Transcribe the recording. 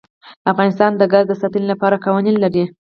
افغانستان د ګاز د ساتنې لپاره قوانین لري.